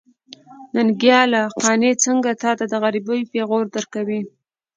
ننګياله! قانع څنګه تاته د غريبۍ پېغور درکوي.